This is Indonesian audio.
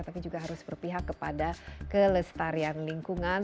tapi juga harus berpihak kepada kelestarian lingkungan